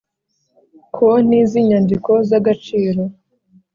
konti z inyandiko z agaciro